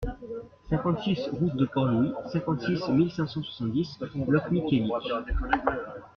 cinquante-six route de Port-Louis, cinquante-six mille cinq cent soixante-dix Locmiquélic